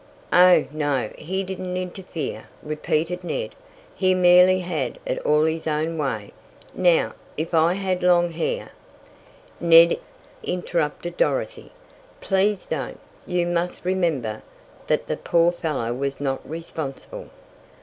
"Oh, no, he didn't interfere," repeated Ned. "He merely had it all his own way. Now, if I had long hair " "Ned," interrupted Dorothy, "please don't. You must remember that the poor fellow was not responsible."